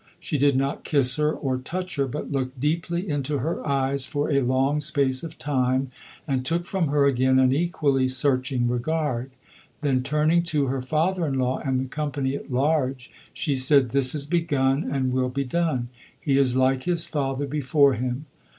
She did not kiss her or touch her, but looked deeply into her eyes for a long space of time, and took from her again an equally searching regard; then, turning to her father in law and the company at large, she said, "This is begun, and will be done. He is like his father before him."